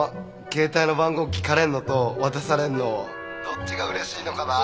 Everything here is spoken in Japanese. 携帯の番号聞かれんのと渡されんのどっちがうれしいのかな？